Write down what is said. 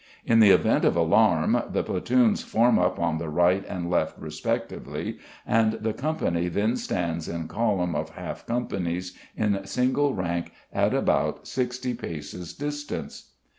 In the event of alarm, the platoons form up on the right and left respectively, and the company then stands in column of half companies in single rank at about 60 paces distance.